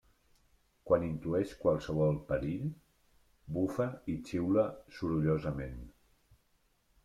Quan intueix qualsevol perill, bufa i xiula sorollosament.